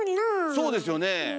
そうですよねえ。